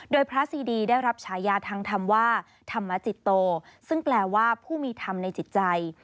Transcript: โดยพระซีดีได้รับฉายาทางธรรมว่าธรรมจิตโตซึ่งแปลว่าผู้มีธรรมในจิตใจ